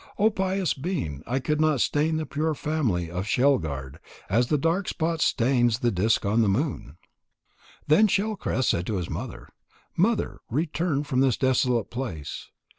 Oh, pious being, I could not stain the pure family of Shell guard, as the dark spot stains the disk on the moon." Then Shell crest said to his mother: "Mother, return from this desolate place.